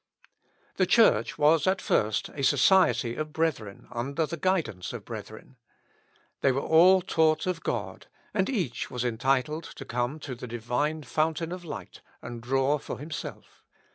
The Church was at first a society of brethren, under the guidance of brethren. They were all taught of God, and each was entitled to come to the Divine fountain of light, and draw for himself.